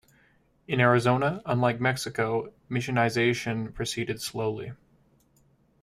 In Arizona, unlike Mexico, missionization proceeded slowly.